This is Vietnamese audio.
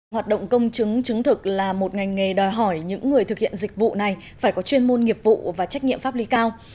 hoạt động công chứng chứng thực là một ngành nghề đòi hỏi những người thực hiện dịch vụ này phải có chuyên môn nghiệp vụ và trách nhiệm pháp lý cao